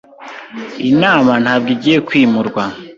Inama ntabwo igiye kwimurwa.